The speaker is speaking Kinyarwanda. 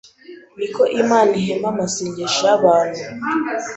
niko Imana ihemba amasengesho yabantu